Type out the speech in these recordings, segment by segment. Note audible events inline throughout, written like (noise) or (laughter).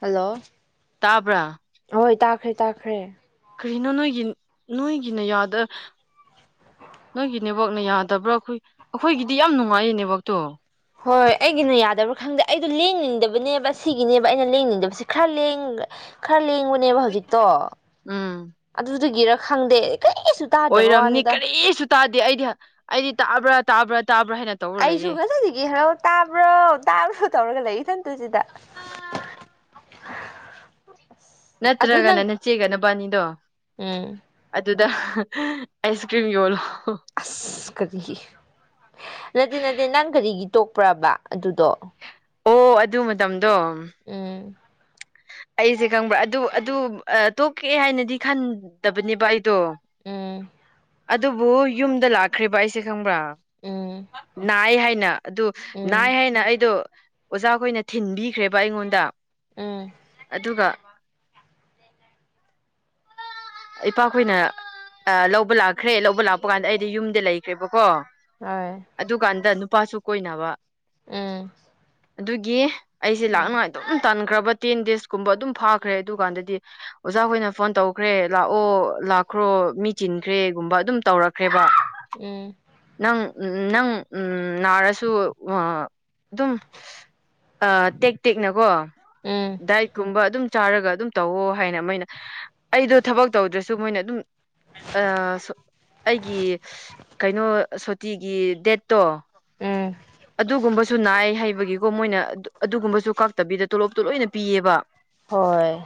hello ꯇꯥꯕ꯭ꯔꯥ ꯍꯣꯏ ꯇꯥꯈ꯭ꯔꯦ ꯇꯥꯈ꯭ꯔꯦ ꯀꯔꯤꯅꯣ ꯅꯣꯏꯒꯤ ꯅꯣꯏꯒꯤꯅꯗ ꯅꯣꯏꯒꯤ ꯅꯦꯠꯋꯥꯛꯅ ꯌꯥꯗꯕ꯭ꯔꯥ ꯑꯩꯈꯣꯏ ꯑꯩꯈꯣꯏꯒꯤꯗꯤ ꯌꯥꯝ ꯅꯨꯡꯉꯥꯏꯌꯦ ꯅꯦꯠꯋꯥꯛꯛꯇꯣ ꯍꯣꯏ ꯍꯣꯏ ꯑꯩꯒꯤꯅ ꯌꯥꯗꯕ꯭ꯔꯥ ꯈꯪꯗꯦ ꯑꯩꯗꯣ ꯂꯦꯡꯅꯤꯡꯗꯕꯅꯦꯕ ꯁꯤꯒꯤꯅꯦꯕ ꯑꯩꯅ ꯂꯦꯡꯅꯤꯡꯗꯕꯁꯤ ꯈꯔ ꯈꯔ ꯍꯧꯖꯤꯛꯇꯣ ꯎꯝ ꯑꯗꯨ ꯈꯪꯗꯦ ꯀꯔꯤꯁꯨ ꯇꯥꯗꯕ ꯑꯣꯏꯔꯝꯅꯤ ꯋꯥꯅꯤꯗ ꯀꯔꯤ ꯇꯥꯗꯦ ꯑꯩꯗꯤ ꯑꯩꯗꯤ ꯇꯥꯕ꯭ꯔꯥ ꯇꯥꯕ꯭ꯔꯥ ꯇꯥꯕ꯭ꯔꯥ ꯍꯥꯏꯅ ꯇꯧꯔ ꯑꯩꯁꯨ ꯂꯩꯌꯦ ꯉꯖꯁꯤꯒꯦ ꯍꯔꯥꯎ ꯇꯥꯕ꯭ꯔꯣ ꯇꯥꯕ꯭ꯔꯣ ꯇꯧꯔꯒ ꯂꯩ ꯏꯊꯟ ꯑꯗꯨꯖꯤꯗ ꯑꯗꯨ ꯅꯪ ꯅꯠꯇ꯭ꯔꯒꯅ ꯆꯤꯒꯅ ꯕꯥꯅꯤꯗꯣ ꯎꯝ ꯑꯗꯨꯗ ꯑꯩꯁ ꯀ꯭ꯔꯤꯝ ꯌꯣꯜꯂꯣ ꯑꯁ ꯀꯔꯤꯒꯤ ꯅꯠꯇ ꯅꯠꯇꯦ ꯅꯪ ꯀꯔꯤꯒꯤ ꯇꯣꯛ ꯄ꯭ꯔꯕ ꯑꯗꯨꯗꯣ ꯑꯣ ꯑꯗꯨ ꯃꯇꯝ ꯗꯣ ꯎꯝ ꯑꯩꯁꯦ ꯈꯪꯕ꯭ꯔꯥ ꯑꯗꯨ ꯑꯗꯨ ꯇꯣꯛꯀꯦ ꯍꯥꯏꯅꯗꯤ ꯈꯟꯗꯕꯅꯦꯕ ꯑꯩ ꯠꯇꯣ ꯎꯝ ꯑꯗꯨꯕꯨ ꯌꯨꯝꯗ ꯂꯥꯛꯈ꯭ꯔꯤꯕ ꯑꯩꯁꯦ ꯈꯪꯕ꯭ꯔꯥ ꯎꯝ ꯅꯏ ꯍꯥꯏ ꯩꯅ ꯑꯗꯨ ꯎꯝ ꯅꯥꯏ ꯍꯥꯏꯅ ꯑꯩꯗꯣ ꯑꯣꯖꯥꯈꯣꯏꯅ ꯊꯤꯟꯕꯤꯈ꯭ꯔꯦꯕ ꯑꯩꯉꯣꯟꯗ ꯎꯝ ꯑꯗꯨꯒ ꯏꯄꯥꯈꯣꯏꯅ ꯂꯧꯕ ꯂꯥꯛꯈ꯭ꯔꯦ ꯂꯧꯕ ꯂꯥꯛꯄ ꯀꯥꯟꯗ ꯑꯩꯗꯤ ꯌꯨꯝꯗ ꯂꯩꯈ꯭ꯔꯦꯕꯀꯣ ꯍꯣꯏ ꯑꯗꯨꯀꯥꯟꯗ ꯑꯗꯨ ꯅꯨꯄꯥꯁꯨ ꯀꯣꯏꯅꯕ ꯑꯝ ꯑꯗꯨꯒꯤ ꯑꯩꯁꯦ ꯂꯥꯛꯅꯉꯥꯏ ꯑꯗꯨꯝ ꯇꯥꯟꯅ ꯈ꯭ꯔꯕꯠ ꯇꯦꯟ ꯗꯦꯖꯀꯨꯝꯕ ꯑꯗꯨꯝ ꯐꯥꯈ꯭ꯔꯦ ꯑꯗꯨꯀꯥꯟꯗꯗꯤ ꯑꯣꯖꯥꯈꯣꯏꯅ ꯐꯣꯟ ꯇꯧꯈ꯭ꯔꯦ ꯂꯥꯛꯑꯣ ꯂꯥꯛꯈ꯭ꯔꯣ ꯃꯤ ꯆꯤꯟꯈ꯭ꯔꯦꯒꯨꯝꯕ ꯑꯗꯨꯝ ꯇꯧꯔꯛꯈ꯭ꯔꯦ ꯕ ꯎꯝ ꯅꯪ ꯅꯪ ꯎꯝ ꯅꯥꯔꯁꯨ ꯑꯗꯨꯝ ꯑ ꯇꯦꯛ ꯇꯦꯛꯅꯀꯣ ꯎꯝ ꯗꯥꯏꯛꯀꯨꯝꯕ ꯑꯗꯨꯝ ꯆꯥꯔꯒ ꯑꯗꯨꯝ ꯇꯧꯑꯣ ꯍꯥꯏꯅ ꯃꯣꯏꯅ ꯑꯩꯗꯣ ꯊꯕꯛ ꯇꯧꯗ꯭ꯔꯁꯨ ꯃꯣꯏꯅ ꯑꯗꯨꯝ ꯑꯩꯒꯤ ꯀꯩꯅꯣ ꯁꯣꯇꯤꯒꯤ ꯗꯦꯠꯇꯣ ꯎꯝ ꯑꯗꯨꯒꯨꯝꯕꯁꯨ ꯅꯥꯏ ꯍꯥꯏꯩꯕꯒꯤꯀꯣ ꯃꯣꯏꯅ ꯑꯗꯨꯒꯨꯝꯕꯁꯨ ꯀꯥꯛꯇꯕꯤꯗ ꯇꯣꯂꯣꯞꯇꯣ ꯂꯣꯏꯅ ꯄꯤꯌꯦꯕ ꯍꯣꯏ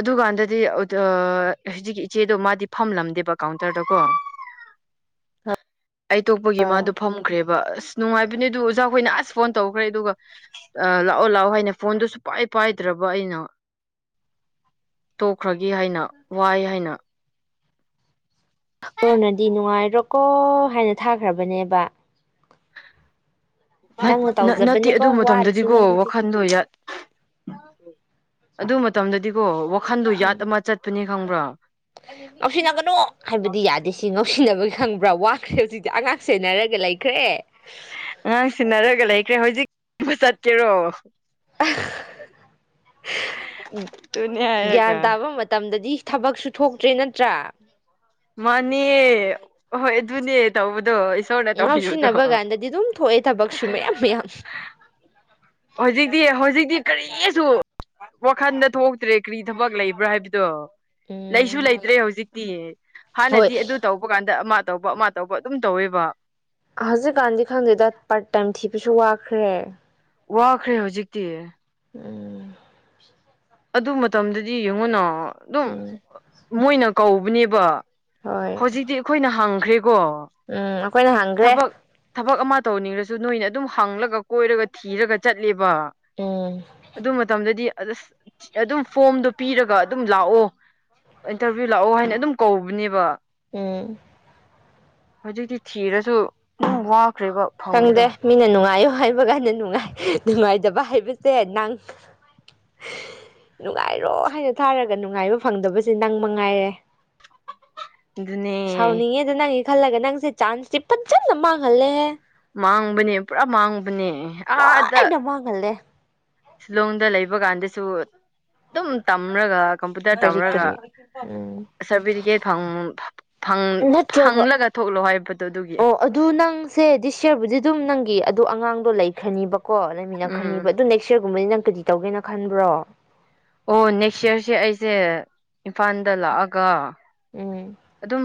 ꯑꯗꯨꯀꯥꯟꯗꯗꯤ ꯍꯧꯖꯤꯛꯀꯤ ꯏꯆꯦꯗꯣ ꯃꯥꯗꯤ ꯐꯝꯂꯝꯗꯦꯕ ꯀꯥꯎꯟꯇꯔꯗꯀꯣ ꯑꯩ ꯇꯣꯛꯄꯒꯤ ꯃꯥꯗꯣ ꯍꯣꯏ ꯐꯝꯈ꯭ꯔꯦꯕ ꯑꯁ ꯅꯨꯡꯉꯥꯏꯕꯅꯤ ꯑꯗꯨ ꯑꯣꯖꯥꯈꯣꯏꯅ ꯑꯁ ꯐꯣꯟ ꯇꯧꯈ꯭ꯔꯦ ꯑꯗꯨꯒ ꯂꯥꯛꯑꯣ ꯂꯥꯛꯑꯣ ꯍꯥꯏꯅ ꯐꯣꯟꯗꯨ ꯁꯨꯡꯄꯥꯏ ꯄꯥꯏꯗ꯭ꯔꯕ ꯑꯩꯅ ꯇꯣꯛꯈ꯭ꯔꯒꯦ ꯍꯥꯏꯅ ꯋꯥꯏ ꯍꯥꯏꯅ ꯍꯣꯔꯅꯗꯤ ꯅꯨꯡꯉꯥꯏꯔꯣꯀꯣ ꯍꯥꯏꯅ ꯊꯥꯈ꯭ꯔꯕꯅꯦꯕ ꯅꯪꯅ ꯅꯠꯇꯦ ꯇꯧꯖꯕꯅꯦꯀꯣ ꯑꯗꯨ ꯋꯥꯔꯁꯨ ꯃꯇꯝꯗꯗꯤꯀꯣ ꯅꯪꯗꯤ ꯋꯥꯈꯟꯗꯣ ꯑꯗꯨ ꯃꯇꯝꯗꯗꯤꯀꯣ ꯋꯥꯈꯟꯗꯣ ꯌꯥꯠ ꯎꯝ ꯑꯃ ꯆꯠꯄꯅꯤ ꯈꯪꯕ꯭ꯔꯥ ꯉꯧꯁꯤꯟꯅꯒꯅꯣ ꯍꯥꯏꯕꯗꯤ ꯌꯥꯗꯦ ꯁꯤ ꯉꯧꯁꯤꯟꯅꯕꯒꯤ ꯈꯪꯕ꯭ꯔꯥ ꯋꯥꯈ꯭ꯔꯦ ꯍꯧꯖꯤꯛꯇꯤ ꯑꯉꯥꯡ ꯁꯦꯟꯅꯔꯒ ꯂꯩꯈ꯭ꯔꯦ ꯑꯉꯥꯡ ꯁꯤꯟꯅꯔꯒ ꯂꯩꯈ꯭ꯔꯦ ꯍꯧꯖꯤꯛ ꯆꯠꯀꯦꯔꯣ ꯑꯗꯨꯅꯦ ꯒ꯭ꯌꯥꯟ ꯍꯥꯏꯔꯒ ꯇꯥꯕ ꯃꯇꯝꯗꯗꯤ ꯊꯕꯛꯁꯨ ꯊꯣꯛꯇ꯭ꯔꯦ ꯅꯠꯇ꯭ꯔꯥ ꯃꯥꯅꯤ ꯍꯣꯏ ꯑꯗꯨꯅꯦ ꯇꯧꯧꯕꯗꯣ ꯉꯥꯎꯁꯤꯟꯅꯕ ꯀꯥꯟꯗꯗꯤ ꯑꯗꯨꯝ ꯊꯣꯛꯑꯦ ꯊꯕꯛꯁꯨ ꯃꯌꯥꯝ ꯃꯌꯥꯝ ꯍꯧꯖꯤꯛꯛꯇꯗꯤ ꯍꯧꯖꯤꯛꯛꯇ ꯀꯔꯤꯁꯨ ꯋꯥꯈꯟꯗ ꯊꯣꯛꯇ꯭ꯔꯦ ꯀꯔꯤ ꯊꯕꯛ ꯂꯩꯕ꯭ꯔꯥ ꯍꯥꯏꯕꯗꯣ ꯎꯝ ꯂꯩꯁꯨ ꯂꯩꯇ꯭ꯔꯦ ꯍꯧꯖꯤꯛꯇꯤ ꯍꯣꯏ ꯍꯥꯟꯅꯗꯤ ꯑꯗꯨ ꯇꯧꯕ ꯀꯥꯟꯗ ꯑꯃ ꯇꯧꯕ ꯑꯃ ꯇꯧꯕ ꯑꯗꯨꯝ ꯇꯧꯋꯦꯕ ꯍꯖꯤꯦꯒꯥꯟꯙꯤ ꯈꯥꯟꯗꯦꯗ ꯄꯔ ꯇꯥꯏꯝ ꯊ ꯄꯁꯨ ꯋꯥ ꯈꯔꯦ ꯋꯥꯈ꯭ꯔꯦ ꯍꯧꯖꯤꯛꯇꯤ ꯎꯝ ꯑꯗꯨ ꯃꯇꯝꯗꯗꯤ ꯌꯦꯡꯉꯨꯅ ꯑꯗꯨꯝ ꯎꯝ ꯃꯣꯏꯅ ꯀꯧꯕꯅꯦꯕ ꯍꯣꯏ ꯍꯧꯖꯤꯛꯇꯤ ꯑꯩꯈꯣꯏꯅ ꯍꯪꯈ꯭ꯔꯦ ꯎꯝ ꯑꯩꯈꯣꯏꯅ ꯍꯪꯈ꯭ꯔꯦ ꯇꯧꯅꯤꯡꯉꯁꯨ ꯅꯣꯏꯅ ꯑꯗꯨꯝ ꯍꯪꯂꯒ ꯀꯣꯏꯔꯒ ꯊꯤꯔꯒ ꯆꯠꯂꯦꯕ ꯎꯝ ꯑꯗꯨ ꯃꯇꯝꯗꯗꯤ ꯑꯗ ꯑꯗꯨꯝ ꯐꯣꯝꯗꯣ ꯄꯤꯔꯒ ꯑꯗꯨꯝ ꯂꯥꯛꯑꯣ ꯏꯟꯇꯔꯚꯤꯌꯨ ꯂꯥꯛꯑꯣ ꯍꯥꯏꯅ ꯑꯗꯨꯝ ꯀꯧꯕꯅꯦꯕ ꯎꯝ ꯄ ꯆꯝ ꯍꯧꯖꯤꯛꯇꯤ ꯊꯤꯔꯁꯨ ꯋꯥꯈ꯭ꯔꯦꯕ ꯈꯪꯗꯦ ꯐꯪꯕꯗꯣ ꯃꯤꯅ ꯅꯨꯡꯉꯥꯏꯌꯨ ꯉ ꯍꯥꯏꯕ ꯀꯥꯟꯗ ꯅꯨꯡꯉꯥꯏ ꯅꯨꯡꯉꯥꯏꯇꯕ ꯍꯥꯏꯕꯁꯦ ꯅꯪ ꯅꯨꯡꯉꯥꯏꯔꯣ ꯍꯥꯏꯅ ꯊꯥꯔꯒ ꯅꯨꯡꯉꯥꯏꯕ ꯐꯪꯗꯕꯁꯦ ꯅꯪ ꯃꯉꯥꯏꯔꯦ ꯑꯗꯨꯅꯦ ꯁꯥꯎꯅꯤꯡꯉꯦꯗ ꯅꯪꯒꯤ ꯈꯜꯂꯒ ꯅꯪꯁꯦ ꯆꯥꯟꯁꯇꯤ ꯐꯖꯅ ꯃꯥꯡꯍꯜꯂꯦꯍꯦ ꯃꯥꯡꯕꯅꯤ ꯄꯨꯔꯥ ꯃꯥꯡꯒ ꯅꯦ ꯑꯗ ꯂꯣꯏꯅ ꯃꯥꯡꯍꯜꯂꯦ ꯁꯤꯂꯣꯡꯗ ꯂꯩꯕ ꯀꯥꯟꯗꯁꯨ ꯑꯗꯨꯝ ꯇꯝꯔꯒ ꯀꯝꯄꯨꯇꯔ ꯀꯔꯤ ꯇꯝꯔꯒ ꯀꯔꯤ ꯎꯝ ꯁꯥꯔꯇꯤꯐꯤꯀꯦꯠ ꯅꯠꯇ꯭ꯔꯒ ꯐꯪꯂꯒ ꯊꯣꯛꯂꯣ ꯍꯥꯏꯕꯗꯣ ꯑꯗꯨꯒꯤ ꯑꯣ ꯑꯗꯨ ꯅꯪꯁꯦ ꯂꯩ ꯈꯅꯤ ꯀꯣ ꯂꯩꯃꯤꯟꯅ ꯎꯝ ꯈꯟꯅꯤꯕ ꯑꯗꯨ ꯅꯦꯛꯁ ꯌꯔꯒꯨꯝꯕꯗꯤ ꯅꯪ ꯀꯗꯤ ꯇꯧꯒꯦꯅ ꯈꯟꯕ꯭ꯔꯣ ꯑꯣ ꯅꯦꯛꯁ ꯏꯌꯥꯔꯁꯦ ꯑꯩꯁꯦ ꯏꯝꯐꯥꯜꯗ ꯂꯥꯛꯑꯒ ꯎꯝ ꯑꯗꯨꯝ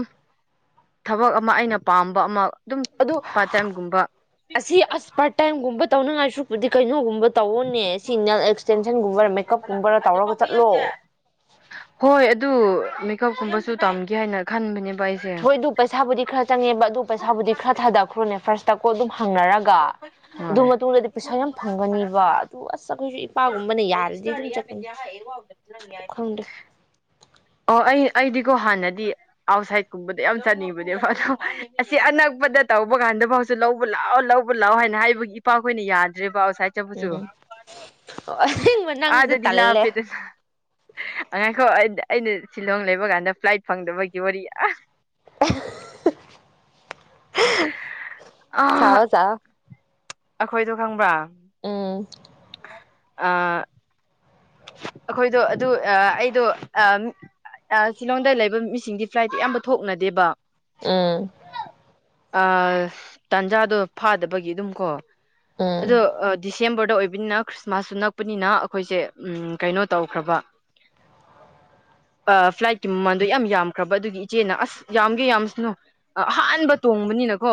ꯊꯕꯛ ꯑꯃ ꯑꯩꯅ ꯄꯥꯝꯕ ꯑꯃ ꯑꯗꯨꯝ ꯑꯣ ꯄꯥꯔꯠ ꯇꯥꯏꯝꯒꯨꯝꯕ ꯑꯁꯤ ꯑꯁ ꯄꯔꯠ ꯇꯥꯏꯝꯒꯨꯝꯕ ꯇꯧꯅꯉꯥꯏ ꯁꯛꯄꯗꯤ ꯀꯩꯅꯣꯒꯨꯝꯕ ꯇꯧꯋꯅꯦ ꯁꯤ ꯅ ꯑꯦꯛꯁꯇꯦꯟ ꯟꯒꯨꯝꯕ ꯃꯦꯀꯞꯀꯨꯝꯕꯔ ꯇꯧꯔꯒ ꯆꯠꯂꯣ ꯄꯤꯀꯞ ꯀꯨꯝꯕꯁꯨ ꯇꯝꯒꯦ ꯍꯥꯏꯅ ꯈꯟꯕꯅꯦꯕ ꯑꯩꯁꯦ ꯍꯣꯏ ꯑꯗꯨ ꯄꯩꯁꯥꯕꯨꯗꯤ ꯈꯔ ꯆꯪꯉꯦꯕ ꯑꯗꯨ ꯄꯩꯁꯥꯕꯨꯗꯤ ꯈꯔ ꯊꯥꯗꯈ꯭ꯔꯣꯅꯦ ꯐꯥꯔꯁ ꯇ ꯀ ꯑꯗꯨꯝ ꯍꯪꯅꯔꯒ ꯑꯗꯨ ꯍꯣꯏ ꯃꯇꯨꯡꯗꯗꯤ ꯄꯩꯁꯥ ꯌꯥꯝ ꯐꯪꯒꯅꯤꯕ ꯑꯗꯨ ꯑꯁ ꯑꯩꯈꯣꯏꯁꯨ ꯏꯄꯥꯒꯨꯝꯕ ꯔꯖꯤꯁꯌꯥꯗ ꯑꯦꯗ ꯈꯪꯗꯦ ꯑꯣ ꯑꯩ ꯑꯩꯗꯤꯀꯣ ꯍꯥꯟꯅꯗꯤ ꯑꯥꯎꯠꯁꯥꯏꯠꯀꯨꯝꯕꯗ ꯌꯥꯝ ꯆꯠꯅꯤꯡꯕꯅꯦꯕ ꯑꯗꯣ ꯑꯁꯤ ꯑꯅꯛꯄꯗ ꯇꯧꯕ ꯀꯥꯟꯗꯐꯥꯎꯁꯨ ꯂꯧꯕ ꯂꯥꯛꯑꯣ ꯂꯧꯕ ꯂꯥꯛꯑꯣ ꯍꯥꯏꯅ ꯍꯥꯏꯕꯒꯤ ꯏꯄꯥꯈꯣꯏꯅ ꯌꯥꯗ꯭ꯔꯦꯕ ꯉ ꯆꯠꯄꯁꯨ ꯎꯝ ꯑꯁꯦꯡꯕ ꯅꯪꯁꯦ ꯑꯥꯗꯗꯤ ꯇꯜꯂꯦ ꯂꯥꯞꯄꯦꯗꯅ ꯑꯉꯥꯡꯈ ꯑꯩꯅ ꯁꯤꯂꯣꯡ ꯂꯩꯕ ꯀꯥꯟꯗ ꯐ꯭ꯂꯥꯏꯠ ꯐꯪꯗꯕꯒꯤ ꯋꯥꯔꯤ ꯑꯁ ꯑꯥ ꯊꯑꯣ ꯆ ꯑꯩꯈꯣꯏꯗꯣ ꯈꯪꯕ꯭ꯔꯥ ꯎꯝ ꯑ ꯑꯩꯈꯣꯏꯗꯣ ꯑꯗꯨ ꯑꯩꯗꯣ ꯁꯤꯂꯣꯡꯗ ꯂꯩꯕ ꯃꯤꯁꯤꯡꯗꯤ ꯐ꯭ꯂꯥꯏꯠꯇ ꯑꯌꯥꯝꯕ ꯊꯣꯛꯅꯗꯦꯕ ꯎꯝ ꯑ ꯇꯟꯖꯥꯗꯣ ꯐꯥꯗꯕꯒꯤ ꯑꯗꯨꯝ ꯀꯣ ꯎꯝ ꯑꯗꯣ ꯗꯤꯁꯦꯝꯕꯔ ꯗ ꯑꯣꯏꯕꯅꯤꯅ ꯈ꯭ꯔꯤꯁꯃꯥꯁꯁꯨ ꯅꯛꯄꯅꯤꯅ ꯑꯩꯈꯣꯏꯁꯦ ꯎꯝ ꯀꯩꯅꯣ ꯇꯧꯈ꯭ꯔꯕ ꯐ꯭ꯂꯥꯏꯠꯀꯤ ꯃꯃꯜꯗꯣ ꯌꯥꯝ ꯌꯥꯝꯈ꯭ꯔꯕ ꯑꯗꯨꯒꯤ ꯏꯆꯦꯅ ꯑꯁ ꯌꯥꯝꯒꯦ ꯌꯥꯝꯁꯅꯨ ꯑꯍꯥꯟꯕ ꯇꯣꯡꯕꯅꯤꯅꯀꯣ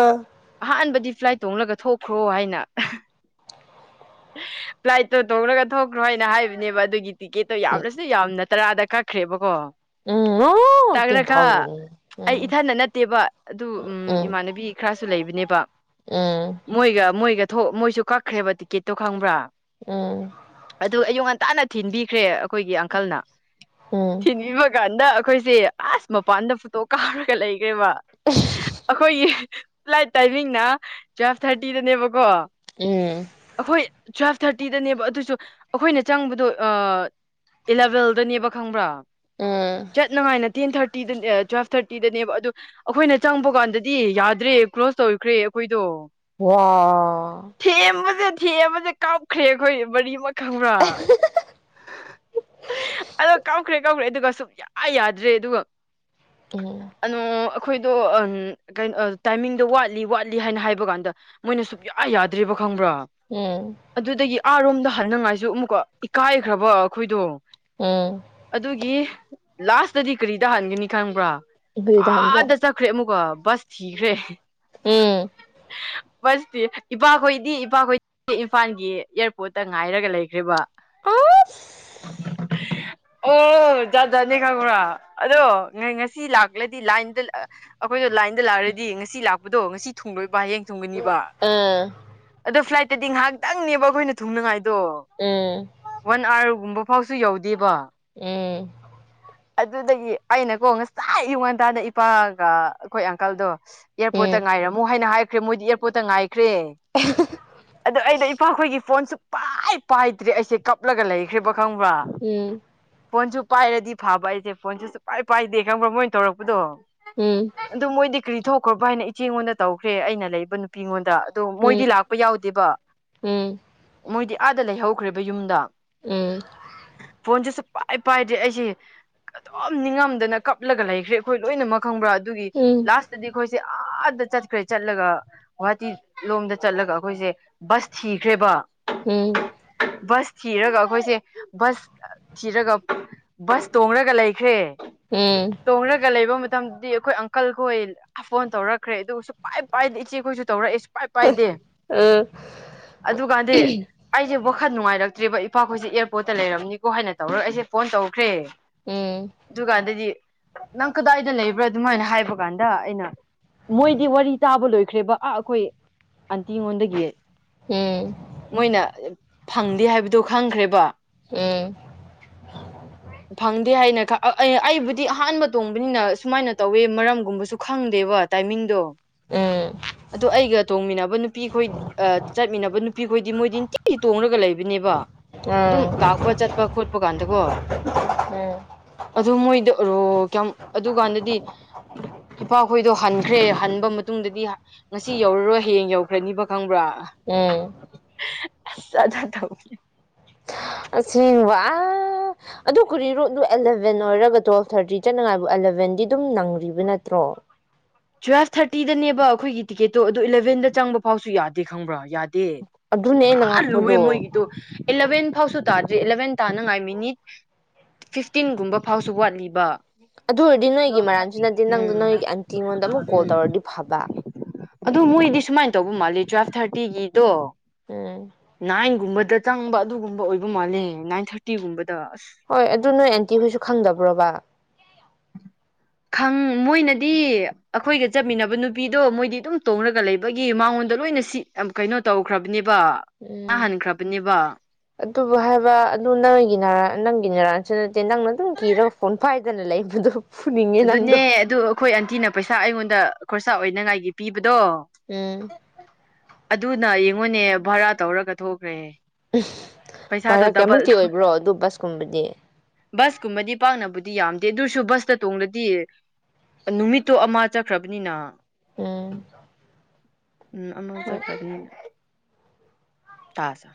ꯑꯥ ꯑꯍꯥꯟꯕꯗꯤ ꯐ꯭ꯂꯥꯏꯠ ꯇꯣꯡꯂꯒ ꯊꯣꯛꯈ꯭ꯔꯣ ꯍꯥꯏꯅ ꯄ꯭ꯂꯥꯏ ꯇ ꯇꯧꯔꯒ ꯊꯣꯛꯈ꯭ꯔꯣ ꯍꯥꯏꯅ ꯍꯥꯏꯕꯅꯦꯕ ꯑꯗꯨꯒꯤ ꯇꯤꯀꯦꯠꯇꯣ ꯌꯥꯝꯅꯁꯨ ꯌꯥꯝꯅ ꯇꯔꯥꯗ ꯀꯛꯈ꯭ꯔꯦꯕꯀꯣ ꯎꯝ ꯎꯝ ꯇꯦꯟ ꯇꯥꯒ꯭ꯔꯒ ꯊꯥꯎꯖꯟ ꯑꯩ ꯎꯝ ꯏꯊꯗ ꯅꯠꯇꯦꯕ ꯑꯗꯨ ꯎꯝ ꯏꯃꯥꯟꯅꯕꯤ ꯈꯔ ꯁꯨ ꯂꯩꯕꯅꯦꯕ ꯎꯝ ꯃꯣꯌꯒ ꯃꯣꯣꯌꯒ ꯃꯣꯏꯁꯨ ꯀꯛꯈ꯭ꯔꯦꯕ ꯇꯤꯛꯀꯦꯠꯇꯣ ꯈꯪꯕ꯭ꯔꯥ ꯎꯝ ꯑꯗꯨ ꯑꯌꯨꯛ ꯉꯟꯇꯥꯅ ꯊꯤꯟꯕꯤꯈ꯭ꯔꯦ ꯑꯩꯈꯣꯏꯒꯤ ꯑꯪꯀꯜꯅ ꯎꯝ ꯎꯝ ꯊꯤꯟꯕꯤꯕ ꯀꯥꯟꯗ ꯑꯩꯈꯣꯏꯁꯦ ꯑꯁ ꯃꯄꯥꯟꯗ ꯐꯣꯇꯣ ꯀꯥꯞꯔꯒ ꯂꯩꯒꯦ ꯀꯕ ꯑꯩꯈꯣꯏꯒꯤ ꯐ꯭ꯂꯥꯏꯠ ꯇꯥꯏꯃꯤꯡꯅ ꯇꯨꯋꯦꯜꯐ ꯊꯥꯔꯇꯤꯗꯅꯦꯕꯀꯣ ꯎꯝ ꯇꯨꯋꯦꯜꯞ ꯊꯥꯔꯇꯤꯗꯅꯦꯕ ꯑꯗꯨꯁꯨ ꯑꯩꯈꯣꯏꯅ ꯆꯪꯕꯗꯣ ꯑ ꯏꯂꯚꯦꯜꯗꯅꯦꯕ ꯈꯪꯕ꯭ꯔꯥ ꯎꯝ ꯆꯠꯅꯉꯥꯏꯅ ꯇꯦꯟ ꯊꯥꯔꯇꯤ ꯊꯥꯔꯇꯤꯗ ꯇꯨꯋꯦꯜꯐ ꯊꯥꯔꯇꯤꯗꯅꯦꯕ ꯑꯗꯣ ꯑꯩꯈꯣꯏꯅ ꯆꯪꯕ ꯀꯥꯟꯗꯗꯤ ꯌꯥꯗ꯭ꯔꯦ ꯀ꯭ꯂꯣꯁ ꯇꯧꯈ꯭ꯔꯦ ꯑꯩꯈꯣꯏꯗꯣ ꯋꯥ ꯆꯦ ꯑꯃ ꯀꯥꯞꯈ꯭ꯔꯦ ꯑꯩꯈꯣꯏ ꯃꯔꯤ ꯈꯪꯕ꯭ꯔꯥ ꯑꯗꯣ ꯀꯥꯎꯈ꯭ꯔꯦ ꯀꯥꯎꯈ꯭ꯔꯦ ꯑꯗꯨꯒ ꯁꯨꯝ ꯌꯥ ꯌꯥꯗ꯭ꯔꯦ ꯑꯗꯨꯒ ꯎꯝ ꯑꯗꯨꯅꯣ ꯑꯩꯈꯣꯏꯗꯣ ꯀꯩꯅꯣ ꯇꯥꯏꯃꯤꯡꯗꯣ ꯋꯥꯠꯂꯤ ꯋꯥꯠꯂꯤ ꯍꯥꯏꯅ ꯍꯥꯏꯕ ꯀꯥꯟꯗ ꯃꯣꯏꯅ ꯁꯨꯛꯌꯥ ꯌꯥꯗ꯭ꯔꯤꯕ ꯈꯪꯕ꯭ꯔꯣ ꯎꯝ ꯑꯗꯨꯗꯒꯤ ꯑꯥꯔꯣꯝꯗ ꯍꯅꯉꯥꯏꯁꯨ ꯑꯃꯨꯛꯀꯣ ꯏꯀꯥꯏꯈ꯭ꯔꯕꯣ ꯑꯩꯈꯣꯏꯗꯣ ꯎꯝ ꯑꯗꯨꯒꯤ ꯂꯥꯁꯇꯗꯤ ꯀꯔꯤ ꯇꯥꯍꯟꯒꯅꯤ ꯈꯪꯕ꯭ꯔꯥ ꯎꯝ ꯑꯁ ꯑ ꯑꯗ ꯆꯈ꯭ꯔꯦ ꯃꯨꯒ ꯁ ꯊꯈ ꯔꯦ ꯎꯝ ꯕꯁꯇꯤ ꯏꯄꯥꯈꯣꯏꯗꯤ ꯏꯄꯥꯈꯣꯏꯗꯤ ꯏꯝꯐꯥꯜꯒꯤ ꯏꯌꯥꯔꯄꯣꯔꯠ ꯛꯇ ꯉꯥꯏꯔꯒ ꯂꯩꯈ꯭ꯔꯤꯕ ꯑꯥ ꯑꯣ ꯖꯥꯠꯖꯠꯅꯦ ꯈꯪꯕ꯭ꯔꯥ ꯑꯗꯣ ꯉꯁꯤ ꯂꯥꯛꯂꯗꯤ ꯂꯥꯏꯟꯗ ꯑꯩꯈꯣꯏꯗ ꯂꯥꯏꯟꯗ ꯂꯥꯛꯑꯔꯗꯤ ꯉꯁꯤ ꯂꯥꯛꯄ ꯕꯗꯣ ꯉꯁꯤ ꯊꯨꯡꯡꯂꯣꯏꯕꯕꯥ ꯍꯌꯦꯡ ꯒꯅꯤꯕ ꯑꯗꯣ ꯐ꯭ꯂꯥꯏ ꯗꯤ ꯉꯥꯏꯍꯥꯛꯇꯪꯅꯦꯕ ꯑꯩꯈꯣꯏꯅ ꯇꯨꯡꯅꯉꯥꯏ ꯑꯣ ꯎꯝ ꯎꯝ ꯋꯥꯟ ꯑꯥꯋꯥꯔꯒꯨꯝꯕ ꯍ ꯁꯤ ꯌꯥꯎ ꯎꯝ ꯑꯗꯨꯗꯒꯤ ꯑꯩꯅꯀꯣ ꯉꯁꯥꯏ ꯌꯌꯨ ꯉꯥꯟꯇꯥꯗ ꯏꯄꯥꯒ ꯑꯩꯈꯣꯏ ꯑꯪꯀꯜꯗꯣ ꯑꯦꯌꯥꯔꯄꯣꯔꯠꯇ ꯉꯥꯏꯔꯝꯃꯨ ꯍꯥꯏꯅ ꯍꯥꯏ ꯃꯗꯤꯌꯥꯔꯄꯣꯔꯠꯇ ꯉꯥꯏꯦ ꯀ꯭ꯔꯦ ꯑꯗ ꯑꯩꯗ ꯏꯄꯥꯈꯣꯏꯒꯤ ꯐꯣꯟꯁꯨ ꯄꯥꯏ ꯄꯥꯏꯗ꯭ꯔꯦ ꯑꯩꯁꯦ ꯀꯞꯂꯒ ꯂꯩꯈ꯭ꯔꯦꯕ ꯈꯪꯕ꯭ꯔ ꯎꯝ ꯎꯝ ꯐꯣꯟꯖꯨꯞ ꯄꯥꯏꯔꯗꯤ ꯊꯥꯕ ꯑꯩꯁꯦ ꯐꯣꯟꯁꯦ ꯁꯨꯄꯥꯏ ꯄꯥꯏꯗꯦ ꯈꯪꯕ꯭ꯔꯥ ꯃꯣꯏꯅ ꯇꯧꯔꯛꯄꯗꯣ ꯑꯗꯨ ꯃꯣꯏꯗꯤ ꯀ꯭ꯔꯤ ꯊꯣꯛ ꯈꯣ ꯕꯥꯏꯅ ꯏꯆꯦ ꯉꯣꯟꯗ ꯇꯧꯈ꯭ꯔꯦ ꯑꯩꯅ ꯂꯩꯕ ꯅꯨꯄꯤꯉꯣꯟꯗ ꯑꯣ ꯃꯣꯏꯗꯤ ꯂꯥꯛꯄ ꯌꯥꯎꯗꯦꯕ ꯃꯣꯏꯗꯤ ꯑꯥꯗ ꯂꯩꯍꯧꯈ꯭ꯔꯦꯕ ꯌꯨꯝꯗ ꯐꯣꯟ ꯁꯨ ꯄꯥꯏ ꯄꯥꯏꯗꯦ ꯑꯩꯁꯦ ꯑꯗꯨꯝ ꯅꯤꯡꯉꯝꯗꯅ ꯀꯞꯂꯒ ꯂꯩꯈ꯭ꯔꯦ ꯑꯈꯣꯏ ꯂꯣꯏꯅꯃꯛ ꯈꯪꯕ꯭ꯔꯥ ꯑꯗꯨꯒꯤ ꯎꯝ ꯎꯝ ꯂꯥꯁꯇꯗꯤ ꯑꯩꯈꯣꯏꯁꯦ ꯑꯗ ꯆꯠꯈ꯭ꯔꯦ ꯆꯠꯂꯒ ꯒꯨꯍꯥꯇꯤ ꯂꯣꯝꯗ ꯆꯠꯂꯒ ꯑꯩꯈꯣꯏꯁꯦ ꯕꯁ ꯊꯤꯈ꯭ꯔꯦꯕ ꯎꯝ ꯕꯁ ꯊꯤꯔꯒ ꯑꯩꯈꯣꯏꯁꯦ ꯕꯁ ꯊꯤꯔꯒ ꯕꯁ ꯇꯣꯡꯡꯂꯒ ꯂꯩꯈ꯭ꯔꯦ ꯇꯣꯡꯡꯂꯒ ꯂꯩꯕ ꯃꯇꯝ ꯗꯤ ꯑꯈꯣꯏ ꯑꯪꯀꯜꯈꯣꯏ ꯐꯣꯟ ꯇꯧꯔꯛꯈ꯭ꯔꯦ ꯑꯗꯨꯒꯁꯨ ꯄꯥꯏ ꯄꯥꯏꯗ ꯏꯆꯦꯈꯣꯏꯁꯨ ꯇꯧꯔꯛꯏ ꯄꯥꯏ ꯄꯥꯏꯗꯦ ꯑꯗꯨꯀꯥꯟꯗꯤ ꯑꯩꯁꯦ ꯋꯥꯈꯜ ꯅꯨꯡꯉꯥꯏꯔꯛꯇ꯭ꯔꯦꯕ ꯏꯄꯥꯈꯣꯏꯁꯦ ꯑꯦꯌꯥꯔꯄꯣꯔꯠꯇ ꯂꯩꯔꯝꯅꯤꯀꯣ ꯍꯥꯏꯅ ꯇꯧꯔꯒ ꯑꯩꯁꯦ ꯐꯣꯟ ꯇꯧ ꯀ꯭ꯔꯦ ꯑꯗꯨꯒꯟꯗꯗꯤ ꯅꯪ ꯀꯗꯥꯏꯗ ꯂꯩꯕ꯭ꯔꯥ ꯑꯗꯨꯃꯥꯏꯅ ꯍꯥꯏꯕ ꯀꯥꯟꯗ ꯑꯩꯅ ꯃꯣꯏꯗꯤ ꯋꯥꯔꯤ ꯇꯥꯕ ꯂꯣꯏꯈ꯭ꯔꯦꯕ ꯑꯥ ꯑꯈꯣꯏ ꯑꯟꯇꯤ ꯉꯣꯟꯗꯒꯤ ꯃꯣꯏꯅ ꯐꯪꯗꯦ ꯍꯥꯏꯕꯗꯨ ꯈꯪꯈ꯭ꯔꯦꯕ ꯐꯪꯗꯦ ꯍꯥꯏꯅ ꯑꯩꯕꯨꯗꯤ ꯑꯍꯥꯟꯕ ꯇꯣꯡꯕꯅꯤꯅ ꯁꯨꯃꯥꯏꯅ ꯇꯧꯋꯦ ꯃꯔꯝꯒꯨꯝꯕꯁꯨ ꯈꯪꯗꯦꯕ ꯇꯥꯏꯃꯤꯡꯗꯣ ꯑꯗꯣ ꯑꯩꯒ ꯇꯣꯡꯃꯤꯟꯅꯕ ꯅꯨꯄꯤ ꯈꯣꯏ ꯆꯠꯃꯤꯟꯅꯕ ꯅꯨꯄꯤ ꯈꯣꯏꯗꯤ ꯃꯣꯏꯗꯤ ꯅꯨꯡꯇꯤꯗꯤ ꯇꯣꯡꯡꯂꯒ ꯂꯩꯕꯅꯦꯕ ꯑꯗꯨꯝ ꯂꯥꯛꯄ ꯆꯠꯄ ꯈꯣꯠꯄ ꯀꯥꯟꯗꯀꯣ ꯑꯗꯨ ꯃꯣꯏꯗꯣ ꯀꯌꯥꯝ ꯑꯗꯨ ꯀꯥꯟꯗꯗꯤ ꯅꯨꯄꯥꯈꯣꯏꯗꯣ ꯍꯟꯈ꯭ꯔꯦ ꯍꯟꯕ ꯃꯇꯨꯡꯗꯗꯤ ꯉꯁꯤ ꯌꯧꯔꯔꯣꯏ ꯍꯌꯦꯡ ꯌꯧꯈ꯭ꯔꯅꯤꯕ ꯈꯪꯕ꯭ꯔꯥ ꯎꯝ ꯑꯁ ꯑꯁꯦꯡꯕ ꯑꯗꯨ ꯀꯔꯤꯔꯣꯗꯨ ꯑꯦꯂꯚꯦꯟ ꯑꯣꯏꯔꯒ ꯇꯨꯌꯦꯞ ꯊꯥꯔꯇꯤ ꯆꯠꯅꯉꯥꯏꯕꯨ ꯑꯦꯂꯚꯦꯟꯗꯤ ꯑꯗꯨꯝ ꯅꯪ꯭ꯔꯤꯕ ꯅꯠꯇ꯭ꯔꯣ ꯇꯨꯌꯦꯞ ꯊꯥꯔꯇꯤꯗꯅꯦꯕ ꯑꯈꯣꯏꯒꯤ ꯇꯤꯀꯦꯠꯇꯣ ꯑꯗꯨ ꯏꯂꯚꯦꯟꯗ ꯆꯪꯕ ꯐꯥꯎꯁꯨ ꯌꯥꯗꯦ ꯈꯪꯕ꯭ꯔꯥ ꯌꯥꯗꯦ ꯑꯗꯨꯅꯦ ꯑꯩꯅ ꯄꯨꯔꯥ ꯂꯨꯔꯦ ꯉꯛꯄꯗꯣ ꯃꯣꯏꯒꯤꯗꯣ ꯑꯦꯂꯚꯦꯟ ꯐꯥꯎꯁꯨ ꯇꯥꯗꯦ ꯑꯦꯂꯚꯦꯟ ꯇꯥꯅꯉꯥꯏ ꯃꯤꯅꯤꯠ ꯐꯤꯐꯇꯤꯟꯒꯨꯝꯕ ꯐꯥꯎꯁꯨ ꯋꯥꯠꯂꯤꯕ ꯑꯗꯨ ꯑꯣꯏꯔꯗꯤ ꯅꯣꯏꯒꯤ ꯃꯔꯥꯟꯁꯨ ꯅꯪꯇꯦ ꯅꯪꯗꯨ ꯎꯝ ꯅꯣꯏꯒꯤ ꯑꯟꯇꯤꯉꯣꯟꯗ ꯑꯃꯨꯛ ꯀꯣꯜ ꯇꯧꯔꯗꯤ ꯐꯕ ꯑꯗꯣ ꯃꯣꯏꯗꯤ ꯁꯨꯃꯥꯏꯅ ꯇꯧꯕ ꯃꯥꯜꯂꯦ ꯇꯨꯌꯦꯞ ꯊꯥꯔꯇꯤꯒꯤꯗꯣ ꯎꯝ ꯅꯥꯏꯟ ꯒꯨꯝꯕ ꯗꯨꯗ ꯆꯪꯕ ꯑꯗꯨꯒꯨꯝꯕ ꯑꯣꯏꯕ ꯃꯥꯜꯂꯦ ꯅꯥꯏꯟ ꯊꯥꯔꯇꯤꯒꯨꯝꯕ ꯍꯣꯏ ꯑꯗꯨ ꯅꯣꯏ ꯑꯦꯟꯇꯤꯈꯣꯏꯁꯨ ꯈꯪꯗꯕ꯭ꯔꯣꯕ ꯈꯪ ꯃꯣꯏꯅꯗꯤ ꯑꯩꯈꯣꯏꯒ ꯆꯠꯃꯤꯟꯅꯕ ꯅꯨꯄꯤꯗꯣ ꯃꯣꯏꯗꯤ ꯑꯗꯨꯝ ꯇꯣꯡꯉꯒ ꯂꯩꯕꯒꯤ ꯃꯉꯣꯟꯗ ꯂꯣꯏꯅ ꯁꯤ ꯀꯩꯅꯣ ꯇꯧꯈ꯭ꯔꯕꯅꯦꯕ ꯏꯕ ꯎꯝ ꯍꯟꯈ꯭ꯔꯕꯅꯦꯕ ꯑꯗꯨꯕꯨ ꯍꯥꯏꯕ ꯑꯗꯨ ꯅꯪꯒꯤ ꯅ ꯅꯪꯒꯤ ꯅꯔꯥꯟꯁꯨ ꯅꯠꯇꯦ ꯅꯪꯅ ꯑꯗꯨꯝ ꯀꯤꯔꯒ ꯐꯣꯟ ꯄꯥꯏꯗꯅ ꯂꯩꯕꯗꯨ ꯑꯗꯨꯅꯦ ꯑꯗꯨ ꯑꯩꯈꯣꯏ ꯑꯟꯇꯤꯅ ꯄꯩꯁꯥ ꯑꯩꯉꯣꯟꯗ ꯈꯣꯔꯁꯥ ꯑꯣꯏꯅꯉꯥꯏꯒꯤ ꯄꯤꯕꯗ ꯎꯝ ꯑꯗꯨꯅ ꯌꯦꯡꯉꯣꯅꯦ ꯚꯔꯥ ꯇꯧꯔꯒ ꯊꯣꯛꯈ꯭ꯔꯦꯍꯦ ꯎ ꯚꯔꯥ ꯀꯌꯥꯃꯨꯛꯇꯤ ꯑꯣꯏꯕ꯭ꯔꯣ ꯑꯗꯨ ꯕꯁꯀꯨꯝꯕꯗꯤ ꯀꯨꯝꯕꯗꯤ ꯄꯥꯛꯅꯕꯨꯗꯤ ꯌꯥꯝꯗꯦ ꯑꯗꯨꯔꯁꯨ ꯕꯁꯇ ꯇꯣꯡꯗꯗꯤ ꯅꯨꯃꯤꯠꯇꯣ ꯑꯃ ꯆꯠꯈ꯭ꯔꯕꯅꯤꯅ ꯎꯝ (inaudible) ꯎꯝ ꯑꯅꯧ ꯍꯣꯏ ꯆꯈꯅꯤ ꯇꯥꯖꯥ